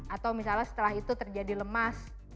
atau misalnya setelah itu terjadi lemas